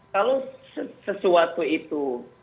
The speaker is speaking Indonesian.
kalau sesuatu itu